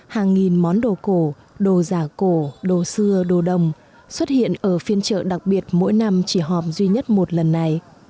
hàng nghìn món đồ cổ đồ giả cổ đồ xưa đồ đồng xuất hiện ở phiên chợ đặc biệt mỗi năm chỉ hòm duy nhất một lần này